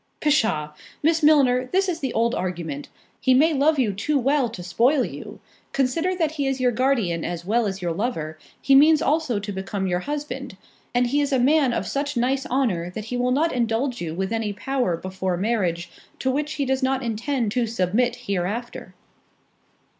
"Pshaw! Miss Milner, this is the old argument. He may love you too well to spoil you—consider that he is your guardian as well as your lover, he means also to become your husband; and he is a man of such nice honour, that he will not indulge you with any power before marriage, to which he does not intend to submit hereafter."